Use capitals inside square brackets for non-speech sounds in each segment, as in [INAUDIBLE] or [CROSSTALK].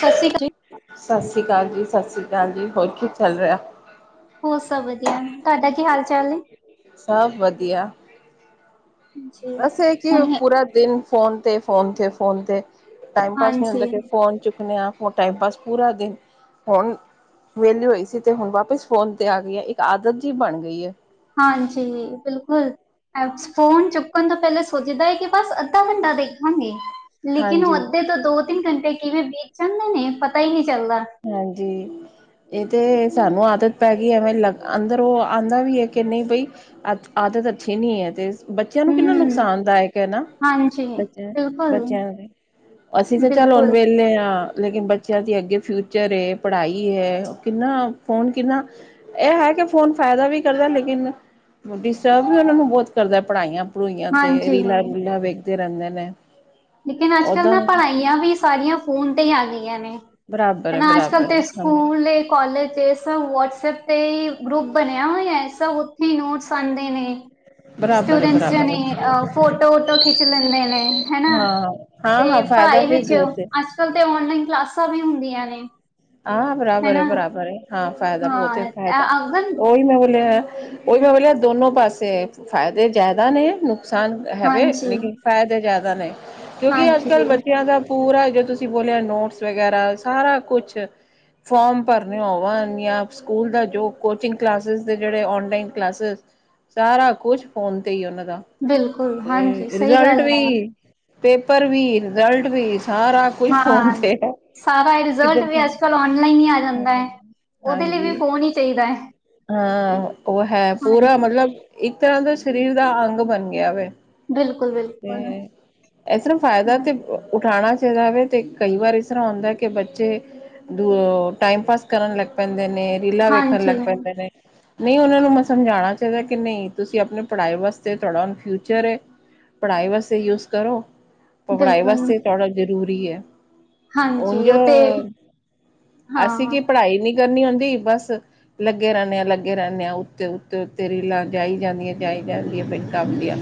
ਸ਼ਸ਼ੀ ਕਾਲ ਜੀ। ਸ਼ਸ਼ੀ ਕਾਲ ਜੀ - ਸ਼ਸ਼ੀ ਅਕਾਲ ਜੀ, ਹੋਰ ਕੀ ਚੱਲ ਰਿਹਾ। ਹੋਰ ਸਭ ਵਧੀਆ ਤੁਹਾਡਾ ਕੀ ਹਾਲ ਚਾਲ ਏ। ਸਭ ਵਧੀਆ। ਜੀ। ਬਸ ਇਹ ਕਿ ਹੁਣ ਪੂਰਾ ਦਿਨ ਫੋਨ ਤੇ - ਫੋਨ ਤੇ - ਫੋਨ ਤੇ ਟਾਈਮ ਪਾਸ ਨਹੀਂ ਹੁੰਦਾ ਹਾਂਜੀ, ਕਿ ਫੋਨ ਚੁੱਕਣੇ ਆ ਟਾਈਮ ਪਾਸ ਪੂਰਾ ਦਿਨ ਹੁਣ ਵਿਹਲੀ ਹੋਈ ਸੀ ਤੇ ਹੁਣ ਵਾਪਿਸ ਫੋਨ ਤੇ ਆ ਗਈ ਆ ਇੱਕ ਆਦਤ ਜੀ ਬਣ ਗਈ ਏ। ਹਾਂਜੀ ਬਿਲਕੁਲ। ਫੋਨ ਚੁੱਕਣ ਤੋਂ ਪਹਿਲੇ ਸੋਚਦਾ ਕਿ ਬਸ ਅੱਧਾ ਘੰਟਾ ਦੇਖਾਂਗੇ। ਲੇਕਿਨ ਉਹ ਹਾਂਜੀ, ਅੱਧੇ ਤੋਂ ਦੋ ਤਿੰਨ ਘੰਟੇ ਕਿਵੇਂ ਬੀਤ ਜਾਂਦੇ ਨੇ ਪਤਾ ਹੀ ਨਹੀਂ ਚੱਲਦਾ। ਹਾਂਜੀ। ਇਹ ਤਾਂ ਸਾਨੂੰ ਆਦਤ ਪੈ ਗਈ ਐਵੇਂ ਲਗ ਅੰਦਰ ਆਂਦਾ ਵੀ ਐ ਕਿ ਨਹੀਂ ਬਈ। ਆਦਤ ਅੱਛੀ ਨਹੀਂ ਏ ਤੇ। ਬੱਚਿਆਂ ਨੂੰ ਕਿੰਨਾ ਹੂੰ। ਨੁਕਸਾਨਦਾਇਕ ਏ ਨਾ ਹਾਂਜੀ, ਬੱਚਿਆਂ - ਬਿਲਕੁਲ, ਬੱਚਿਆਂ ਦੇ ਅਸੀਂ ਤਾਂ ਚੱਲ ਹੁਣ ਬਿਲਕੁਲ, ਵਿਹਲੇ ਹਾਂ ਲੇਕਿਨ ਬੱਚਿਆਂ ਦੀ ਅੱਗੇ ਫਿਊ- ਚਰ ਏ ਪੜ੍ਹਾਈ ਏ ਕਿੰਨਾ ਫੋਨ ਕਿੰਨਾ। ਇਹ ਹੈ ਕਿ ਫੋਨ ਫਾਇਦਾ ਵੀ ਕਰਦਾ ਲੇਕਿਨ ਡਿਸਟਰਬ ਵੀ ਉਹਨਾਂ ਨੂੰ ਬਹੁਤ ਕਰਦਾ ਪੜ੍ਹਾਈਆਂ- ਭੂੜਈਆਂ ਤੇ ਹਾਂਜੀ। ਰੀਲਾਂ ਰੁਲਾਂ ਵੇਖਦੇ ਰਹਿੰਦੇ ਨੇ। ਲੇਕਿਨ ਅੱਜ-ਕੱਲ੍ਹ ਓਦਾਂ ਨਾ ਪੜ੍ਹਾਈਆਂ ਵੀ ਸਾਰੀਆਂ ਫੋਨ ਤੇ ਹੀ ਆ ਗਈਆਂ ਨੇ। ਬਰਾਬਰ ਹੈ ਹਨਾ ਅੱਜ-ਕੱਲ੍ਹ ਬਰਾਬਰ ਹੈ ਤੇ ਹਾਂ ਸਕੂਲ ਏ ਕਾਲਜਸ ਸਭ ਵਟਸਐਪ ਤੇ ਹੀ ਗਰੁੱਪ ਬਣਿਆ ਹੋਇਆ ਸਭ ਉੱਥੇ ਨੋਟਸ ਆਂਦੇ ਨੇ। ਬਰਾਬਰ ਹੈ ਸਟੂਡੈਂਟਸ ਬਰਾਬਰ ਜਾਣੀ ਹੈ ਆ ਫੋਟੋ ਵੋਟੋ ਖਿੱਚ ਲੈਂਦੇ ਨੇ ਹਨਾ। ਹਾਂ ਹਾਂ ਹਾਂ ਤੇ ਫਾਇਦਾ ਪੜ੍ਹਾਈ ਵੀ ਵਿੱਚ ਬਹੁਤ ਹੈ ਅੱਜ ਕਲ ਤੇ ਓਨਲਾਈਨ ਕਲਾਸਾਂ ਵੀ ਹੁੰਦੀਆਂ ਨੇ। ਹਾਂ ਬਰਾਬਰ ਹੈਨਾ ਬਰਾਬਰ ਹੈ ਹਾਂ ਫਾਇਦਾ ਬਹੁਤ ਹਾਂ ਫਾਇਦਾ ਅ- ਅਗਰ ਉਹੀ ਮੈਂ ਬੋਲਿਆ ਉਹੀ ਬੋਲਿਆ ਦੋਨੋ ਪਾਸੇ ਫ਼ਾਇਦੇ ਜ਼ਿਆਦਾ ਨੇ ਨੁਕਸਾਨ ਹੈਵੇ ਹਾਂਜੀ ਲੇਕਿਨ ਫਾਇਦੇ ਜ਼ਿਆਦਾ ਨੇ ਕਿਉਂਕਿ ਹਾਂਜੀ ਅੱਜ-ਕੱਲ੍ਹ ਬੱਚਿਆਂ ਦਾ ਪੂਰਾ ਜੋ ਤੁਸੀਂ ਬੋਲਿਆ ਨੋਟਸ ਵਗੈਰਾ ਸਾਰਾ ਕੁਛ ਫੋਰਮ ਭਰਨ ਹੋਵਣ ਜਾਂ ਸਕੂਲ ਦਾ ਜੋ ਕੋਚਿੰਗ ਕਲਾਸ ਦੇ ਜਿਹੜੇ ਔਨ ਟਾਈਮ ਕਲਾਸਸ ਸਾਰਾ ਕੁਛ ਫੋਨ ਤੇ ਹੀ ਉਹਨਾਂ ਦਾ। ਬਿਲਕੁਲ। ਹਾਂਜੀ ਤੇ ਸਹੀ ਗੱਲ ਰਿਜ਼ਲਟ ਵੀ ਹੈ ਪੇਪਰ ਵੀ ਰਿਜਲਟ ਵੀ ਸਾਰਾ ਕੁਛ ਫੋਨ ਤੇ ਹਾਂਜੀ ਹੈ ਸਾਰਾ ਰਿਜ਼ਲਟ ਕਿੱਧਰ ਵੀ ਜਾਣਾ? ਅੱਜ-ਕੱਲ ਔਨਲਾਈਨ ਹੀ ਆ ਜਾਂਦਾ ਐ। ਹਾਂਜੀ ਹਾਂ ਉਹ ਹੈ ਹਾਂਜੀ ਪੂਰਾ ਮਤਲਬ ਇੱਕ ਤਰ੍ਹਾਂ ਦਾ ਸਰੀਰ ਦਾ ਅੰਗ ਬਣ ਗਿਆ ਵੇ। ਬਿਲਕੁਲ - ਬਿਲਕੁਲ। ਤੇ ਇਸ ਤਰ੍ਹਾਂ ਫ਼ਾਇਦਾ ਤੇ ਉਠਾਉਣਾ ਚਾਹੀਦਾ ਵੇ ਤੇ ਕਈ ਵਾਰ ਇਸ ਤਰ੍ਹਾਂ ਹੁੰਦਾ ਕਿ ਬੱਚੇ ਦ ਟਾਈਮ ਪਾਸ ਕਰਨ ਲੱਗ ਪੈਂਦੇ ਨੇ ਰੀਲਾਂ ਵੇਖਣ ਹਾਂਜੀ ਲੱਗ ਪੈਂਦੇ ਨੇ। ਨਹੀਂ ਉਹਨਾਂ ਨੂੰ ਮੈਂ ਸਮਝਾਉਣਾ ਚਾਹੀਦਾ ਕਿ ਨਹੀਂ ਤੁਸੀਂ ਆਪਣੇ ਪੜ੍ਹਾ ਵਾਸਤੇ ਥੋੜ੍ਹਾ ਚਰ ਪੜ੍ਹਾਈ ਵਾਸਤੇ ਯੂਸ ਕਰੋ, ਪ-ਪੜ੍ਹਾਈ ਬਿਲਕੁਲ ਵਾਸਤੇ ਥੌੜਾ‌ ਜ਼ਰੂਰੀ ਐ, ਹਾਂਜੀ ਉਝ ਉਹ ਤੇ ਅਸੀਂ ਹਾਂ ਕੀ ਪੜ੍ਹਾਈ ਨੀ ਕਰਨੀ ਹੁੰਦੀ ਬੱਸ। ਲੱਗੇ ਰਹਿੰਣੇ ਆ, ਲੱਗੇ ਰਹਿੰਣੇ ਆਂ, ਉੱਤੇ, ਉੱਤੇ-ਉੱਤੇ, ਰੀਲਾਂ ਜਾਈ ਜਾਂਦੀਆਂ, ਜਾਈ ਜਾਂਦੀਆ ਬੈਕੰਮਦੀਆ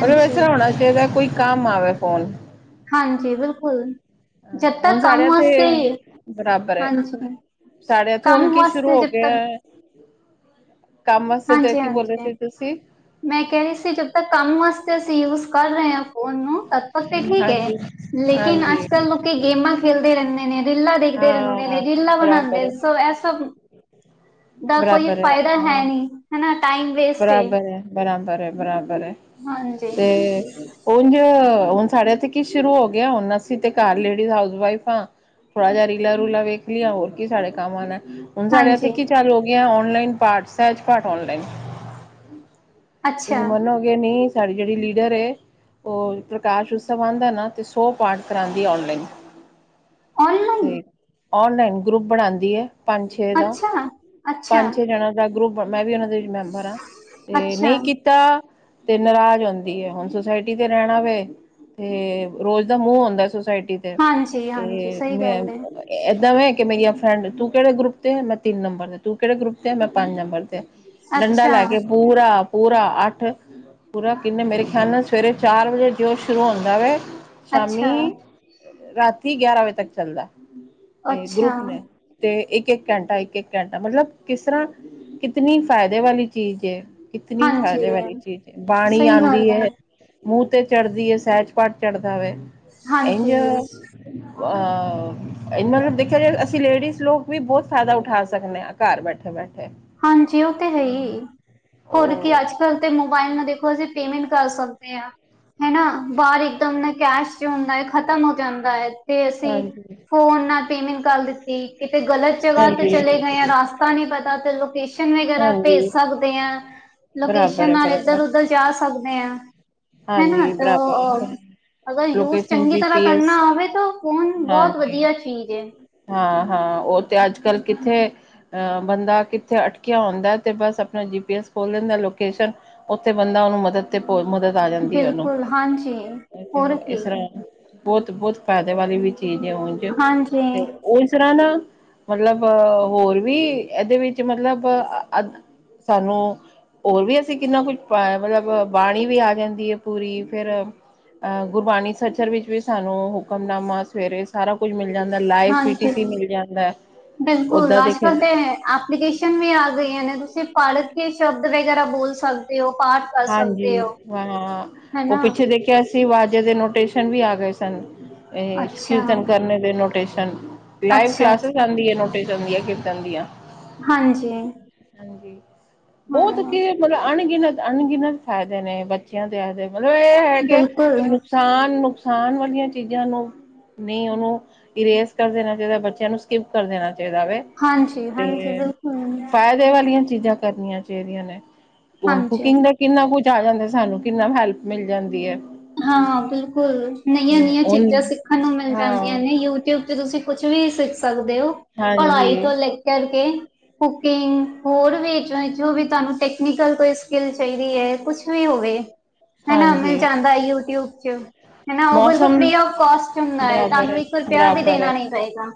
ਮਤਲਬ ਇਸ ਤਰਾਂ ਹੋਣਾ ਚਾਹੀਦਾ ਕੋਈ ਕੰਮ ਆਵੇ ਫੋਨ। ਹਾਂਜੀ, ਬਿਲਕੁਲ, ਜਦ ਹੁਣ ਤੱਕ ਸਾਡੇ ਕੰਮ ਇੱਥੇ ਵਾਸਤੇ, ਬਰਾਬਰ ਹੈ ਹਾਂਜੀ। ਸਾਡੇ ਇੱਥੇ ਹੁਣ ਕੰਮ ਕੀ ਹੱਸ ਸ਼ੁਰੂ ਤੇ' ਹੋ ' ਗਿਆ [UNINTELLIGIBLE] ਕੰਮ ਵਾਸਤੇ ਤੇ ਹਾਂਜੀ ਕੀ ਬੋਲੇ ਹਾਂਜੀ ਸੀ ਤੁਸੀਂ? ਮੈਂ ਕਹਿ ਰਹੀ ਸੀ ਜਦ ਤੱਕ ਕੰਮ ਵਾਸਤੇ ਅਸੀਂ ਯੂਜ ਕਰ ਰਹੇ ਆ। ਉਹ ਨੂੰ, ਤੱਦ-ਤੱਕ ਤੇ ਠੀਕ ਐ, ਹਾਂਜੀ ਲੇਕਿਨ ਹਾਂਜੀ ਅੱਜ-ਕੱਲ੍ਹ ਗੇਮਾਂ ਖੇਡਦੇ ਰਹਿੰਦੇ ਨੇ, ਰੀਲਾਂ ਦੇਖਦੇ ਰਹਿੰਦੇ ਨੇ, ਹਾਂ ਰੀਲਾਂ ਬਰਾਬਰ ਬਣਾਦੇ, ਹੈ ਸੋ ਇਹ ਸਭ ਦਾ ਕੋਈ ਬਰਾਬਰ ਫਾਇਦਾ ਹੈ ਹਾਂ ਨੀ ਹਨਾ, ਟਾਈਮ ਵੇਸਟ ਏ। ਬਰਾਦਾ ਰਹਿ, ਬਰਾਦਾ ਰਹਿ ਹਾਂਜੀ ਤੇ। ਉਝ ਹੁਣ ਸਾਡੇ ਤੇ ਕੀ ਸ਼ੁਰੂ ਹੋ ਗਿਆ। ਹੁਣ ਅਸੀਂ ਤੇ ਘਰ ਲੇਡੀਜ਼ ਹਾਊਸ ਵਈਫ ਆ। ਥੋੜਾ ਜਿਹਾ ਰੀਲਾ-ਰੂਲਾ ਵੇਖ ਲਿਆ ਹੋਰ ਕੀ ਸਾਡੇ ਕੰਮ ਆਣਾ। ਹੁਣ ਸਾਡੇ ਹਾਂਜੀ ਇੱਥੇ ਕੀ ਚੱਲੋ ਹੋ ਗਿਆ। ਔਨਲਾਈਨ ਪਾਠ ਸਹਿਜ ਪਾਠ ਔਨਲਾਈਨ। ਤੁਸੀਂ ਅੱਛਾ ਮੰਨੋਗੇ ਨੀ ਸਾਡੀ ਜਿਹੜੀ ਲੀਡਰ ਏ। ਉਹ ਪ੍ਰਕਾਸ਼ ਉਤਸਵ ਆਦਾ ਨਾ ਤੇ ਸੌ ਪਾਠ ਕਰਾਦੀ ਏ ਔਨਲਾਈਨ। ਔਨਲਾਈਨ ਤੇ ਔਨਲਾਈਨ ਗਰੁੱਪ ਬਣਾਦੀ ਏ। ਪੰਜ ਛੇ ਦਾ, ਅੱਛਾ, ਅੱਛਾ, ਪੰਜ ਛੇ ਜਣਿਆਂ ਦਾ ਗਰੁੱਪ ਮੈਂ ਵੀ ਉਹਨਾਂ ਦੇ ਵਿਚ ਮੈਂਬਰ ਆ ਤੇ ਅੱਛਾ ਨਹੀਂ ਕੀ ਕੀਤਾ ਤੇ ਨਾਰਾਜ਼ ਆਉਂਦੀ ਐ। ਹੁਣ ਸੁਸਾਇਟੀ ਤੇ ਰਹਿਣਾ ਵੇ। ਤੇ ਰੋਜ਼ ਦਾ ਮੂੰਹ ਆਉਂਦਾ ਸੁਸਾਇਟੀ ਹਾਂਜੀ, ਹਾਂਜੀ ਤੇ-ਤੇ ਸਹੀ ਮੈਂ ਗੱਲ ਏ। ਇਹਦਾ ਮੈ ਕਿ ਮੇਰੀ ਫਰੈਂਡ ਤੂੰ ਕਿਹੜੇ ਗਰੁੱਪ ਤੇ ਮੈਂ ਤਿੰਨ ਨੰਬਰ ਤੇ, ਤੂੰ ਕਿਹੜੇ ਗਰੁੱਪ ਤੇ ਐ ਮੈਂ ਪੰਜ ਨੰਬਰ ਤੇ। ਡੰਡਾ ਅੱਛਾ, ਲੈ ਕੇ ਪੂਰਾ ਪੂਰਾ ਅੱਠ, ਪੂਰਾ ਕਿੰਨੇ ਮੇਰੇ ਖਿਆਲ ਨਾਲ ਸਵੇਰੇ ਚਾਰ ਵਜੇ ਜੋ ਸ਼ੁਰੂ ਹੁੰਦਾ ਵੇ। ਅੱਛਾ, ਸ਼ਾਮੀ, ਰਾਤੀ ਗਿਆਰਾਂ ਵਜੇ ਤੱਕ ਚੱਲਦਾ। ਇਹ ਅੱਛਾ ਗਰੁੱਪ ਨੇ ਤੇ ਇੱਕ-ਇੱਕ ਘੰਟਾ, ਇੱਕ-ਇੱਕ ਘੰਟਾ ਮਤਲਬ ਕਿਸ ਤਰ੍ਹਾਂ, ਕਿਤਨੀ ਫਾਇਦੇ ਵਾਲੀ ਚੀਜ਼ ਏ। ਕਿਤਨੀ ਹਾਂਜੀ। ਫ਼ਾਇਦੇ ਵਾਲੀ ਚੀਜ਼ ਏ, ਬਾਣੀ ਸਹੀ ਆਦੀ ਗੱਲ ਆ, ਐ। ਮੂੰਹ ਤੇ ਚੜ੍ਹਦੀ ਐ, ਸਹਿਜ ਪਾਟ ਚੜ੍ਹਦਾ ਵੇ ਇੰਝ। ਹਾਂਜੀ, ਅਹ ਇਹਨਾਂ ਨੇ ਦੇਖਿਆ ਜਾ ਅਸੀਂ ਲੇਡੀਜ਼ ਲੋਕ ਵੀ ਬਹੁਤ ਫਾਇਦਾ ਉੱਠਾ ਸਕਦੇ ਆ। ਘਰ ਬੈਠੇ-ਬੈਠੇ। ਹਾਂਜੀ। ਉਹ ਤੇ ਹੈ ਈ, ਹੋਰ ਕੀ ਉਹ ਅੱਜ-ਕੱਲ੍ਹ ਤੇ ਮੋਬਾਇਲ ਨਾ ਦੇਖੋ ਅਸੀ ਪੇਮੈਂਟ ਕਰ ਸਕਦੇ ਆ, ਹਨਾ ਬਾਹਰ ਇੱਕਦਮ ਨਾ ਕੈਸ਼ 'ਚ' ਹੁੰਦਾ ਖ਼ਤਮ ਹੋ ਜਾਂਦਾ ਐ ਤੇ ਅਸੀਂ ਹਾਂਜੀ ਫੋਨ ਨਾਲ ਪੇਮੈਂਟ ਕਰ ਦਿੱਤੀ ਕਿਤੇ ਗਲਤ ਜਗ੍ਹਾ ਤੇ ਚਲੇ ਗਏ ਆ ਰਸਤਾ ਨੀ ਪਤਾ ਤੇ ਲੋ ਲੋਕੇਸ਼ਨ ਵਗੈਰਾ ਹਾਂਜੀ ਭੇਜ ਸਕਦੇ ਆ। ਬਰਾਬਰ ਲੋਕੇਸ਼ਨ ਹੈ ਨਾਲ ਬਰਾਬਰ ਇੱਧਰ-ਉੱਧਰ ਜਾ ਸਕਦੇ ਆ। ਹੈ ਨਾ ਹਾਂਜੀ ਤੋ- ਬਰਾਬਰ ਹੈ ਅ ਅਗਰ ਯੂਜ ਲੋਕੇਸ਼ਨ ਚੰਗੀ ਜੀ ਤਰ੍ਹਾਂ ਪੀ ਐਸ ਕਰਨਾ ਹੋਵੇ ਤੋ। ਫ਼ੋਨ ਬਹੁਤ ਹਾਂਜੀ ਵਧੀਆ ਚੀਜ਼ ਏ। ਹਾਂ-ਹਾਂ, ਉਹ ਤੇ ਅੱਜ-ਕੱਲ੍ਹ ਕਿੱਥੇ। ਅ ਬੰਦਾ ਕਿੱਥੇ ਅਟਕਿਆ ਆਉਦਾ ਤੇ ਬੱਸ ਆਪਣਾ ਜੀ ਪੀ ਐੱਸ ਖੋਲ੍ਹ ਲੈਂਦਾ ਲੋਕੇਸ਼ਨ ਉੱਥੇ ਬੰਦਾ ਉਹਨੂੰ ਮਦਦ ਤੇ ਪ ਮਦਦ ਆ ਜਾਂਦੀ ਉਹਨੂੰ, ਬਿਲਕੁਲ ਹਾਂਜੀ ਹੋਰ ਇਸ ਕੀ ਤਰ੍ਹਾਂ ਬਹੁਤ-ਬਹੁਤ ਫਾਇਦੇ ਵਾਲੀ ਵੀ ਚੀਜ਼ ਐ ਉਝ। ਹਾਂਜੀ। ਠ [UNINTELLIGIBLE] ਉਹ ਇਸ ਤਰ੍ਹਾਂ ਨਾ ਮਤਲਬ ਹੋਰ ਵੀ ਇਹਦੇ ਵਿੱਚ ਮਤਲਬ ਅੱਧ ਸਾਨੂੰ ਹੋਰ ਵੀ ਅਸੀਂ ਕਿੰਨਾ ਕੁਛ ਪਾਇਆ ਮਤਲਬ ਬਾਣੀ ਵੀ ਆ ਜਾਂਦੀ ਆ ਪੂਰੀ। ਫਿਰ ਅਹ ਗੁਰਬਾਣੀ ਸਚਰ ਵਿੱਚ ਵੀ ਸਾਨੂੰ ਹੁਕਮਨਾਮਾ ਸਵੇਰੇ ਸਾਰਾ ਕੁਝ ਮਿਲ ਜਾਂਦਾ ਆ। ਲਾਈਵ ਪੀ ਟੀ ਸੀ ਹਾਂਜੀ ਮਿਲ ਜਾਂਦਾ। ਬਿਲਕੁਲ ਓਦਾਂ ਦੇਖਿਆ ਜਾਏ। ਤੇ ਐਪਲੀਕੇਸ਼ਨ ਵੀ ਆ ਗਈਆਂ ਨੇ ਤੁਸੀਂ ਪੜਕੇ ਕੇ ਸ਼ਬਦ ਵਗੈਰਾ ਬੋਲ ਸਕਦੇ ਓ। ਪਾਠ ਕਰ ਹਾਂਜੀ ਸਕਦੇ ਹੋ, ਹਾਂ ਉਹ ਹੈਨਾ? ਪਿੱਛੇ ਦੇਖ ਕੈਸੀ ਆਵਾਜੇ ਦੇ ਨੋਟੇਸ਼ਨ ਵੀ ਆ ਗਏ ਸਨ। ਇਹ ਅੱਛਾ, ਕੀਰਤਨ ਕਰਨ ਦੇ ਨੋ ਨੋਟੇਸ਼ਨ ਲਾਈਵ ਕਲਾਸਸਿਸ ਅੱਛਾ-ਅੱਛਾ, ਆਂਦੀ ਆ ਨੋਟੇਸ਼ਨ ਆਂਦੀ ਆ ਕੀਰਤਨ ਦੀਆਂ। ਹਾਂਜੀ, [INAUDIBLE] ਹਾਂਜੀ ਬਹੁਤ ਹਾਂ, ਮਤਲਬ ਅਣਗਿਣਤ- ਅਣਗਿਣਤ ਫਾਇਦੇ ਨੇ ਬੱਚਿਆਂ ਦੇ। ਇਹਦੇ ਮਤਲਬ ਇਹ ਹੈਗੇ‌ ਬਿਲਕੁਲ, ਖਾਨ ਨੁਕਸਾਨ ਵਾਲੀਆਂ ਚੀਜ਼ਾਂ ਨੂੰ ਨਹੀਂ ਉਹਨੂੰ ਇਰੇਸ ਕਰ ਦੇਣਾ ਚਾਹੀਦਾ। ਬੱਚਿਆਂ ਨੂੰ ਸਕਿਪ ਕਰ ਦੇਣਾ ਚਾਹੀਦਾ ਵੇ। ਹਾਂਜੀ -ਹਾਂਜੀ ਬਿਲਕੁਲ ਇਵੇਂ। ਇਹ ਵਾਲੀਆਂ ਚੀਜ਼ਾਂ ਕਰਨੀਆਂ ਚਾਹੀਦੀਆਂ ਨੇ। ਹੁਣ ਹਾਂਜੀ ਕੁਕਿੰਗ ਦਾ ਕਿੰਨਾ ਕੁਝ ਆ ਜਾਂਦਾ ਸਾਨੂੰ ਕਿੰਨਾ ਹੈਲਪ ਮਿਲ ਜਾਂਦੀ ਐ। ਹਾਂ-ਹਾਂ ਬਿਲਕੁਲ ਨਈਆਂ -ਨਈਆਂ ਹੁਣ ਚੀਜ਼ਾਂ ਸਿੱਖਣ ਨੂੰ ਮਿਲ ਜਾਂਦੀਆਂ ਹਾਂ ਨੇ। ਯੂ ਟਿਊਬ ਤੇ ਤੁਸੀਂ ਕੁਛ ਵੀ ਸਿੱਖ ਸਕਦੇ ਓ। ਹਾਂਜੀ ਪੜ੍ਹਾਈ ਤੋਂ ਲੈ ਕਰ ਕੇ। ਕੁਕਿੰਗ ਹੋਰ ਵੀ ਜੋ ਵੀ ਤੁਹਾਨੂੰ ਟੈਕਨੀਕਲ ਕੋਈ ਸਕਿੱਲ ਚਾਹੀਦੀ ਐ। ਕੁਛ ਕੁਛ ਵੀ ਹੋਵੇ ਹਨਾ ਮਿਲ ਹਾਂਜੀ ਜਾਂਦਾ ਯੂਟਿਊਬ 'ਚ। ਹਨਾ ਉਹ ਬਿਲਕੁਲ ਮੌਸਮ ਫਰੀ ਆਫ ਕੋਸਟ ਹੁੰਦਾ ਐ। ਬਰਾਬਰ ਤੁਹਾਨੂੰ ਹੈ ਇੱਕ ਰੁਪਇਆ ਵੀ ਬਰਾਬਰ ਹੈ। ਦੇਣਾ ਨੀ ਪਏਗਾ।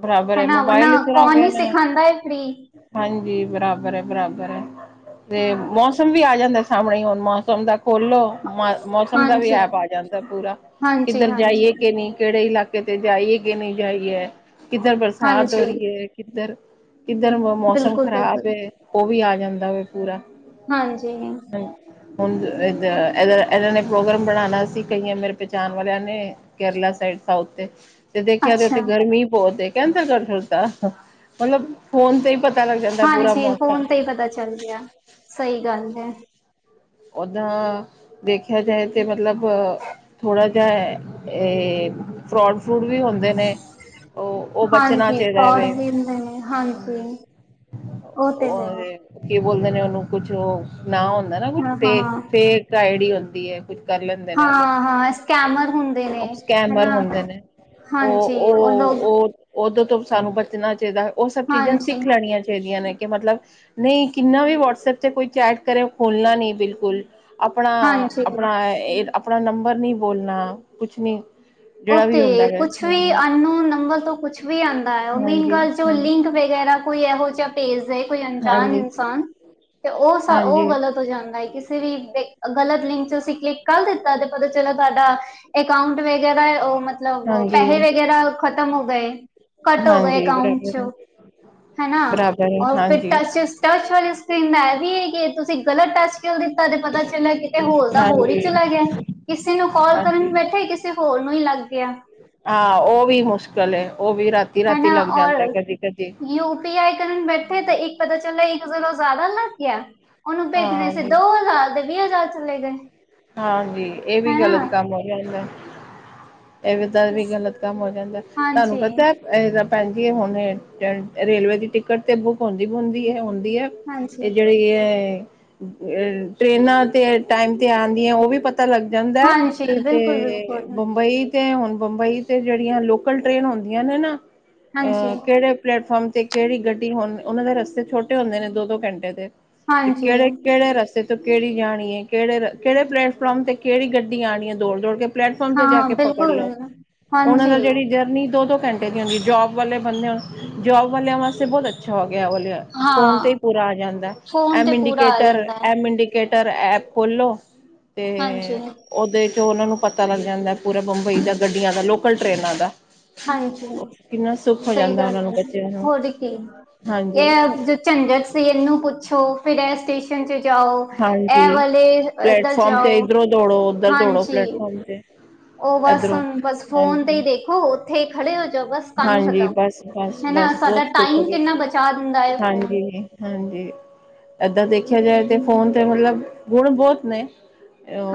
ਬਰਾਬਰ ਹੈ ਹਨਾ। ਉਹਨਾ ਮੋਬਾਇਲ ਇਸ ਤਰ੍ਹਾਂ ਹੋ ਕੌਣ ਗਿਆ ਨੀ ਨਾ ਸਿਖਾਂਦਾ ਫਰੀ। ਹਾਂਜੀ ਬਰਾਬਰ ਆ। ਬਰਾਬਰ ਆ। ਤੇ ਹਾਂ ਮੌਸਮ ਮੌਸਮ ਵੀ ਆ ਜਾਂਦਾ ਸਾਹਮਣੇ ਹੁਣ ਮੌਸਮ ਦਾ ਖੋਲੋ‌। ਮ -ਮੌਸਮ ਦਾ ਵੀ ਹਾਂਜੀ ਐਪ ਆ ਜਾਂਦਾ ਪੂਰਾ ਹਾਂਜੀ ਕਿੱਧਰ ਹਾਂਜੀ ਜਾਈਏ ਕਿ ਨਹੀਂ। ਕਿਹੜੇ ਇਲਾਕੇ ਕਿਤੇ ਜਾਈਏ ਕਿ ਨਹੀਂ ਜਾਈਏ ਕਿੱਧਰ ਬਰਸਾਤ ਹੋ ਹਾਂਜੀ ਰਹੀ ਐ। ਕਿੱਧਰ ਕਿੱਧਰ ਮੌਸਮ ਬਿਲਕੁਲ ਖ਼ਰਾਬ ਬਿਲਕੁਲ ਐ ਉਹ ਵੀ ਆ ਜਾਂਦਾ ਵ ਪੂਰਾ। ਹਾਂਜੀ [INAUDIBLE] ਹ ਹੁਣ ਇ- ਇਧਰ ਇਹਨਾਂ ਨੇ ਪ੍ਰੋਗਰਾਮ ਬਨਾਣਾ ਸੀ ਕਈਆਂ ਮੇਰੇ ਪਹਿਚਾਣ ਵਾਲਿਆਂ ਨੇ। ਕੇਰਲਾ ਸਾਈਡ ਸਾਊਥ ਤੇ ਤੇ ਦੇਖਿਆ ਤੇ ਅੱਛਾ ਉੱਥੇ ਗਰਮੀ ਬਹੁਤ ਕੈਂਸਲ ਕਰ ਦਿੱਤਾ। ਮਤਲਬ ਫੋਨ ਤੇ ਹੀ ਪਤਾ ਲੱਗ ਜਾਂਦਾ ਹਾਂਜੀ ਪੂਰਾ ਜੀ ਫੋਨ ਮੌਸਮ ਤੇ ਹੀ ਪਤਾ ਚੱਲ ਗਿਆ। ਸਹੀ ਗੱਲ ਐ। ਓਦਾਂ ਦੇਖਿਆ ਜਾਏ ਤੇ ਮਤਲਬ ਥੋੜ੍ਹਾ ਜਿਹਾ ਇਹ ਫਰੋਡ -ਫਰੂਡ ਵੀ ਹੁੰਦੇ ਨੇ। ਉਹ ਉਹ ਬਚਣਾ ਹਾਂਜੀ। ਚਾਹੀਦਾ ਫਰੋਡ ਵੇ ਵੀ ਹੁੰਦੇ ਨੇ। ਹਾਂਜੀ। ਉਹ ਤੇ ਹੈ। ਕੀ ਬੋਲਦੇ ਨੇ ਉਹਨੂੰ ਕੁਛ ਉਹ ਨ ਹੁੰਦਾ ਨਾ ਕੁਛ ਹਾਂ ਫੇਕ ਹਾਂ -ਫੇਕ ਆਈਡੀ ਹੁੰਦੀ ਐ। ਕੁਛ ਕਰ ਲੈਂਦੇ ਨੇ ਉਹ ਲੋਕ, ਹਾਂ ਹਾਂ ਸਕੈਮਰ ਹੁੰਦੇ ਨੇ [INAUDIBLE] ਸਕੈਮਰ ਹਨਾ ਹੁੰਦੇ ਨੇ। ਉਹ ਹਾਂਜੀ ਲੋਕ -ਉਹ ਉਦੋਂ ਤੋਂ ਸਾਨੂੰ ਬਚਣਾ ਚਾਹੀਦਾ। ਉਹ ਸਭ ਚੀਜ਼ਾਂ ਹਾਂਜੀ ਸਿੱਖ ਲੈਣੀਆਂ ਚਾਹੀਦੀਆਂ ਨੇ। ਕਿ ਮਤਲਬ ਨਹੀਂ ਕਿੰਨਾ ਵੀ ਵਟਸਐਪ ਤੇ ਕੋਈ ਚੈਟ ਕਰੇ ਖੋਲਣਾ ਨਹੀਂ ਬਿਲਕੁਲ। ਆਪਣਾ ਹਾਂਜੀ -ਆਪਣਾ ਐ ਆਪਣਾ ਨੰਬਰ ਨੀ ਬੋਲਣਾ ਕੁਛ ਨੀ। ਉਹ ਜਿਹੜਾ ਵੀ ਹੁੰਦਾ ਤੇ ਵੈ ਕੁਛ ਵੀ ਹਾਂਜੀ ਅਨਨੋਨ ਨੰਬਰ ਤੋਂ ਕੁਛ ਵੀ ਆਂਦਾ ਐ। ਉਹ ਮੇਨ ਗੱਲ ਜੋ ਹਾਂਜੀ ਲਿੰਕ ਵਗੈਰਾ ਕੋਈ ਇਹੋ ਜਿਹਾ ਭੇਜਦਾ ਕੋਈ ਅਣਜਾਣ ਹਾਂਜੀ ਇਨਸਾਨ ਤੇ ਉਹ ਹਾਂਜੀ ਉਹ ਗਲਤ ਹੋ ਜਾਂਦਾ ਐ। ਕਿ ਵੀ ਗਲਤ ਲਿੰਕ 'ਚ' ਅਸੀਂ ਕਲਿੱਕ ਕਰ ਦਿੱਤਾ ਤੇ ਪਤਾ ਚੱਲਾ ਤੁਹਾਡਾ ਅਕਾਊਂਟ ਵ ਜਹਦਾ ਉਹ ਮਤ ਮਤਲਬ ਹਾਂਜੀ ਪੈਸੇ ਵਗੈਰਾ ਖ਼ਤਮ ਹੋ ਗਏ ਕੱਟ ਹੋ ਗਏ ਹਾਂਜੀ ਅਕਾਊਂਟ ਬਰਾਬਰ 'ਚ' ਹਨਾ, ਬਰਾਬਰ ਔਰ ਫਿਰ ਹਾਂਜੀ ਟ-ਟੱਚ ਵਾਲੀ ਸਕਰੀਨ ਦਾ ਇਹ ਵੀ ਐ ਕਿ ਤੁਸੀਂ ਗਲਤ ਟੱਚ ਚੱਲ ਦਿੱਤਾ ਤੇ ਪਤਾ ਚੱਲਿਆ ਕਿਤੇ ਹੋਲ ਦਾ ਹੋਰ ਹਾਂਜੀ ਹੀ ਚਲਾ ਗਿਆ ਕਿਸੇ ਨੂੰ ਕਾਲ ਕਰਨ ਹਾਂਜੀ ਬੈਠੇ ਕਿਸੇ ਕਿਸੇ ਹੋਰ ਨੂੰ ਹੀ ਲੱਗ ਗਿਆ। ਹਾਂ, ਉਹ ਵੀ ਮੁਸ਼ਕਿਲ ਐ ਉਹ ਵੀ ਰਾਤੀ-ਰਾਤੀ ਲੱਗ ਜਾਂਦਾ ਕਦੀ-ਕਦੀ ਪੀ ਆਈ ਕਰਨ ਬੈਠੇ ਤਾਂ ਇੱਕ ਪਤਾ ਚੱਲਿਆ ਇੱਕ ਚਲੋਂ ਜ਼ਿਆਦਾ ਲੱਗ ਗਿਆ। ਉਹਨੂੰ ਭੇਜਣੇ ਹਾਂ ਸੀ। ਦੋ-ਹਜ਼ਾਰ ਤੇ ਵੀਹ-ਹਜ਼ਾਰ ਚਲੇ ਗਏ। ਹਾਂਜੀ, ਇਹ ਵੀ ਗ਼ਲਤ ਕੰਮ ਹੋ ਜਾਂਦਾ। ਇਦਾਂ ਦੇ ਵੀ ਗ਼ਲਤ ਕੰਮ ਹੋ ਜਾਂਦਾ ਤੁਹਾਨੂੰ ਪਤਾ ਇਹ ਤਾਂ ਭੈਣ ਜੀ ਹੁਣ ਰੇਲਵੇ ਦੀ ਟਿਕਟ ਤੇ ਬੁੱਕ ਹੁੰਦੀ-ਹੁੰਦੀ ਐ-ਹੁੰਦੀ। ਇਹ ਜਿਹੜੀ ਐ, ਟਰੇਨਾਂ ਤੇ ਟਾਈਮ ਤੇ ਆਂਉਦੀਆਂ ਉਹ ਵੀ ਪਤਾ ਪਤਾ ਲੱਗ ਜਾਂਦਾ, ਤੇ ਬੰਬਈ ਕਿ ਹੁਣ ਬੰਬਈ ਤੇ ਜਿਹੜੀਆਂ ਲੋਕਲ ਟ੍ਰੇਨ ਹੁੰਦੀਆਂ ਨੇ ਨਾ, ਅਹ ਕਿਹੜੇ ਪਲੇਟ-ਫਾਰਮ ਤੇ ਕਿਹੜੀ ਗੱਡੀ ਹੁਣ ਉਹਨਾਂ ਦੇ ਰਸਤੇ ਛੋਟੇ ਹੁੰਦੇ ਨੇ ਦੋ-ਦੋ ਘੰਟੇ ਤੇ ਤੇ ਕਿਹੜੇ-ਕਿਹੜੇ ਰਸਤੇ ਤੋਂ ਕਿਹੜੀ ਜਾਣੀ ਆ ਕਿਹੜੇ ਰਾ ਕਿਹੜੇ ਪਲੇਟਫੋਮ ਤੇ ਕਿਹੜੀ ਗੱਡੀ ਆਣੀ ਏ ਦੌੜ-ਦੌੜ ਕੇ ਪਲੈਟਫੋਮ ਤੇ ਜਾ ਕੇ ਪਕੜ ਲਓ, ਉਹਨਾਂ ਦਾ ਜਿਹੜੀ ਜਰਨੀ ਦੋ-ਦੋ ਘੰਟੇ ਦੀ ਹੁੰਦੀ ਜੋਬ ਵਾਲੇ ਬੰਦਿਆਂ ਜੋਬ ਵਾਲਿਆਂ ਵਾਸਤੇ ਬਹੁਤ ਅੱਛਾ ਹੋ ਗਿਆ ਵਾਲ ਫੋਨ ਤੇ ਹੀ ਪੂਰਾ ਆ ਜਾਂਦਾ ਐੱਮ -ਇੰਡੀਕੇਟਰ, ਜਾਂਦਾ ਹੈ ਐੱਮ- ਇੰਡੀਕੇਟਰ ਐਪ ਖੋਲੋ ਤੇ ਹਾਂਜੀ ਉਹਦੇ ਚੋਂ ਉਹਨਾਂ ਨੂੰ ਪਤਾ ਲੱਗ ਜਾਂਦਾ ਪੂਰਾ ਬੰਬਈ ਦਾ ਗੱਡੀਆਂ ਦਾ ਲੋਕਲ ਟਰੇਨਾਂ ਦਾ ਹਾਂਜੀ ਕਿੰਨਾ ਸੁੱਖ ਹੋ ਸਹੀ ਜਾਂਦਾ ਗੱਲ ਉਹਨਾ ਨੂੰ ਹੈ ਬੱਚਿਆਂ ਨੂੰ ਹੋਰ ਕੀ ਹਾਂਜੀ ਇਹ ਜੋ ਝੰਜਟ ਸੀ ਇਹਨੂੰ ਪੁੱਛੋ ਫਿਰ ਇਹ ਸਟੇਸ਼ਨ 'ਚ' ਜਾਓ ਇਹ ਹਾਂਜੀ ਵਾਲੇ ਇੱਧਰ ਪਲੇਟਫਾਰਮ ਜਾਓ, ਹਾਂਜੀ। ਓਕੇ। ਉਹ ਬੱਸ ਹੁਣ, ਬੱਸ ਫੋਨ ਤੇ ਹੀ ਦੇਖੋ। ਹੀ ਖੜੇ ਹੋ ਜਾਓ ਬਸ ਕੰਮ ਹਾਂਜੀ, ਖਤਮ ਬੱਸ, ਬੱਸ, ਹਨਾ ਬੱਸ ਸਾਡਾ ਬਹੁਤ ਕੁਛ ਟਾਈਮ ' ਕਿੰਨਾ ਬਚਾ [UNINTELLIGIBLE] ਦਿੰਦਾ ਹੈ ' ਫੋਨ ਹਾਂਜੀ। ਹਾਂਜੀ, ਏਦਾਂ ਦੇਖਿਆ ਜਾਏ ਤੇ ਫੋਨ ਤੇ ਮਤਲਬ ਗੁਣ ਬਹੁਤ ਨੇ।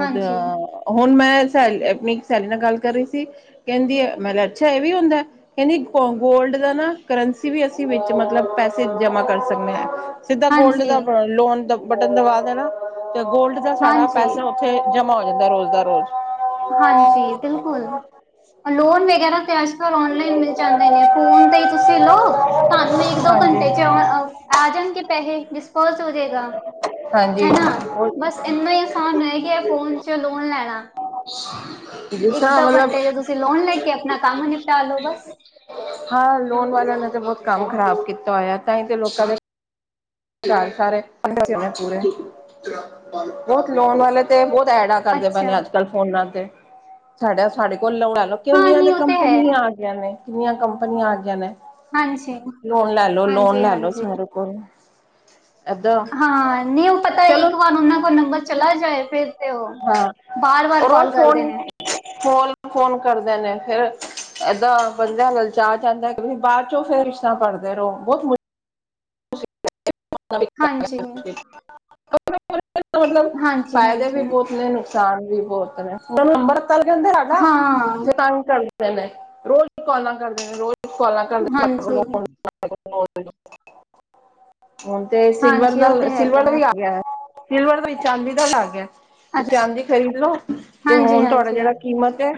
ਹਾਂਜੀ ਹੁਣ ਮੈਂ ਸੈ ਆਪਣੀ ਸੈਲੀ ਨਾਲ ਗੱਲ ਕਰ ਰਹੀ ਸੀ ਕਹਿੰਦੀ ਐ ਮੈਂ ਅੱਛਾ, ਇਹ ਵੀ ਹੁੰਦਾ। ਕਹਿੰਦੀ ਗੋਲਡ ਦਾ ਨਾ ਕਰੰਸੀ ਵੀ ਅਸੀਂ ਵਿੱਚ ਮਤਲਬ ਪੈਸੇ ਜਮ੍ਹਾਂ ਕਰ ਸਕਦੇ ਆ। ਸਿੱਧਾ ਗੋਲਡ ਹਾਂਜੀ ਦਾ ਲੋਨ ਬਟਨ ਦਵਾ ਦੇਣਾ ਤੇ ਗੋਲਡ ਸਾਡਾ ਹਾਂਜੀ ਪੈਸਾ ਉੱਥੇ ਜਮ੍ਹਾਂ ਹੋ ਜਾਂਦਾ ਰੋਜ਼ ਦਾ ਰੋਜ਼। ਹਾਂਜੀ, ਬਿਲਕੁਲ ਲੋਨ ਵਗੈਰਾ ਤੇ ਅੱਜ ਔਨਲਾਈਨ ਮਿਲ ਜਾਂਦੇ ਨੇ ਫੋਨ ਤੇ ਹੀ ਤੁਸੀਂ ਲਓ, ਤੁਹਾਨੂੰ ਇੱਕ, ਦੋ ਘੰਟੇ 'ਚ' ਹਾਂਜੀ ਆ ਜਾਣਗੇ ਪੈਸੇ ਡਿੱਸ -ਕੋਚ ਹੋ ਜੇ ਗਾ। ਹਾਂਜੀ ਹਨਾ, ਬੱਸ ਇੰਨਾ ਹੀ ਆਸਾਨ ਹੈ ਕਿ ਫੋਨ 'ਚ' ਲੋਨ ਲੈਣਾ। ' [INAUDIBLE] ਇੱਕ, ਦੋ ਘੰਟੇ ਦੇ ਤੁਸੀਂ ਲੋਨ ਲੈ ਕੇ ਆਪਣਾ ਕੰਮ ਨਿਪਟਾ ਲੋ ਬੱਸ। ਹਾਂ ਲੋਨ ਵਾਲਿਆਂ ਨੇ ਤਾਂ ਬਹੁਤ ਕੰਮ ਖ਼ਰਾਬ ਕੀਤਾ ਹੋਇਆ ਤਾਂ ਹੀ ਤੇ ਲੋਕਾਂ ਦੇ ਘਰ ਸਾਰੇ ' [UNINTELLIGIBLE] ' ਬਹੁਤ ਲੋਨ ਆਲੇ ਤੇ ਬਹੁਤ ਐਡਾਂ ਕਰਦੇ ਪਏ ਅੱਛਾ ਨੇ ਅੱਜ-ਕੱਲ੍ਹ। ਫੋਨਾਂ ਤੇ, ਸਾਡਾ ਸਾਡੇ ਕੋਲ ' [UNINTELLIGIBLE] ਹਾਂ ਨਹੀਂ ' ਉਹ ਤੇ ਹੈ ਕੰਪਨੀਆਂ। ਨੇ ਕਿੰਨੀਆਂ ਕੰਪਨੀਆਂ ਆਗੀ ਆਂ ਨੇ ਹਾਂਜੀ ਲੋਨ ਲੈ ਲਓ, ਲੋਨ ਹਾਂਜੀ ਲੈ ਲਓ ਹਾਂਜੀ ਸਾਰੇ। ਕੋ ਐਦਾ। ਹਾਂ ਨਹੀਂ ਉਹ ਪਤਾ ਇੱਕ ਵਾਰ ਉਹਨਾਂ ਦਾ ਨੰਬਰ ਚਲਾ ਜਾਏ ਫਿਰ ਤੇ ਉਹ ਹਾਂ ਵਾਰ - ਵਾਰ ਰੋਜ਼ ਕੋਲ ਕਰਦੇ ਫੋਨ ਨੇ। ਫੋਨ ਕੋਣ ਕਰਦੇ ਨੇ ਫਿਰ ਏਦਾਂ ਬੰਦਾ ਲਲਚਾ ਜਾਂਦਾ ਕਿ ਬਾਅਦ ਚੋਂ ਫਿਰ ਰਿਸ਼ਤਾ ਕਰੜਦੇ ਰਹੋ ਬਹੁਤ ਹਾਂਜੀ [UNINTELLIGIBLE] ਹਾਂਜੀ ਹਾਂਜੀ ਫ਼ਾਇਦੇ ਬਹੁਤ ਨੇ ਨੁਕਸਾਨ ਵੀ ਬਹੁਤ ਨੇ ਹਾਂ [UNINTELLIGIBLE] ਰੋਜ਼ ਈ ਕੋਲਾ ਕਰਦੇ ਰੋਜ਼ ਕੋਲਾ ਕਰਦੇ [UNINTELLIGIBLE] ਹਾਂਜੀ ਹੁਣ ਤੇ ਸਿਲਵਰ ਹਾਂਜੀ ਦਾ ਉਹ ਤੇ ਸਿਲਵਰ ਹੈਗਾ ਦਾ ਹੈ ਵੀ ਆ ਗਿਆ ਸਿਲਵਰ ਦਾ ਵੀ ਚਾਂਦੀ ਦਾ ਲੱਗ ਗਿਆ। ਤੁਸੀਂ ਅੱਛਾ ਚਾਂਦੀ ਖਰੀਦਲੋ ਤੇ ਹਾਂਜੀ ਹੁਣ ਤੁਹਾਡਾ ਹਾਂਜੀ ਜਿਹੜਾ ਕੀਮਤ ਐ।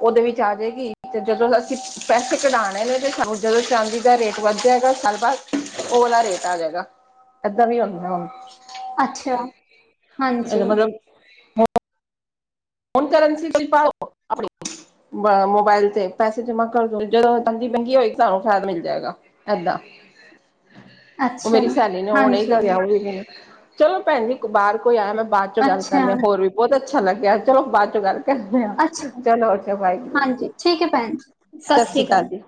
ਉਹਦੇ ਵਿੱਚ ਆ ਜਾਏਗੀ ਤੇ ਜਦੋਂ ਅਸੀਂ ਪੈਸੇ ਕਢਾਣੇ ਨੇ ਤੇ ਸਗੋਂ ਜਦੋਂ ਚਾਂਦੀ ਦਾ ਰੇਟ ਵੱਧ ਹੈਗਾ ਸਾਲ ਬਾਅਦ ਉਹਲਾ ਰੇਟ ਆ ਜਾਏਗਾ ਏਦਾਂ ਨੀ ਹੁੰਦਾ ਆ ਹੁਣ। ਅੱਛਾ, ਹਾਂਜੀ। ਇਹਦਾ ਮਤਲਬ ਹੁਣ ਕਰਾਂਸੀ ਪਾਉ ਆਪਣੀ। ਮੋਬਾਇਲ ਤੇ ਪੈਸੇ ਜਮ੍ਹਾਂ ਕਰਦੋ ਜਦੋਂ ਤੰਗੀ-ਤੰਗੀ ਹੋਏਗੀ ਤੁਹਾਨੂੰ ਫ਼ਾਇਦ ਮਿਲ ਜਾਏਗਾ। ਏਦਾਂ ਉਹ ਅੱਛਾ ਮੇਰੀ ਸੇਹਲੀ ਹੁਣੇ ਹਾਂਜੀ ਤਰਿਆ [UNINTELLIGIBLE] ਚਲੋ ਭੈਣ ਜੀ ਬਾਹਰ ਕੋਈ ਆਇਆ ਮੈਂ ਬਾਚ ਚੋਂ ਗੱਲ ਕਰਨੀ ਆ ਅੱਛਾ ਹੋਰ ਵੀ ਬਹੁਤ ਅੱਛਾ ਲੱਗਿਆ। ਚਲੋ ਬਾਚ ਚੋਂ ਗੱਲ ਅੱਛਾ ਚਲੋ ਅੱਛਾ ਵਾਹਿਗੁਰੂ, ਹਾਂਜੀ ਠੀਕ ਹੈ ਭੈਣ ਜੀ ਸਤਿ ਸ਼ਸ਼ੀ ਸ਼੍ਰੀ ਅਕਾਲ ਜੀ।